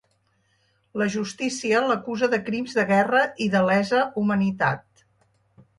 La justícia l’acusa de crims de guerra i de lesa humanitat.